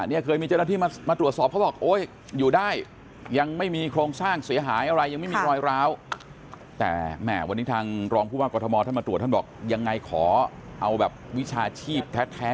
เนี่ยเคยมีเจ้าหน้าที่มาตรวจสอบ